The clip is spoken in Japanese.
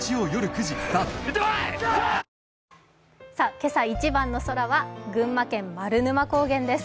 「けさ一番の空」は群馬県・丸沼高原です。